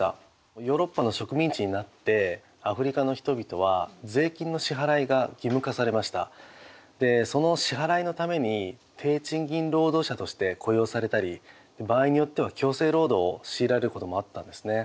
ヨーロッパの植民地になってその支払いのために低賃金労働者として雇用されたり場合によっては強制労働を強いられることもあったんですね。